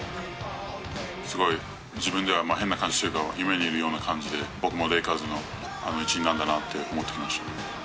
すごい自分では変な感じというか、夢にいるような感じで、僕もレイカーズの一員なんだなって思っています。